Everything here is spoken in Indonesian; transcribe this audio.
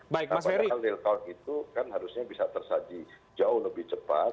apakah real count itu kan harusnya bisa tersaji jauh lebih cepat